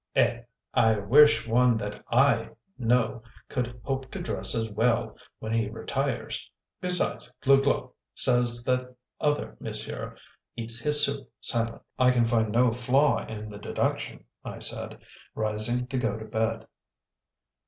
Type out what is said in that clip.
"Eh! I wish one that I know could hope to dress as well when he retires! Besides, Glouglou says that other monsieur eats his soup silently." "I can find no flaw in the deduction," I said, rising to go to bed.